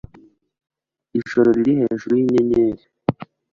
Ijoro riri hejuru yinyenyeri,